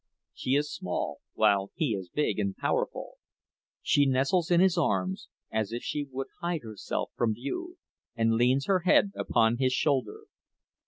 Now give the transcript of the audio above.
She is small, while he is big and powerful; she nestles in his arms as if she would hide herself from view, and leans her head upon his shoulder.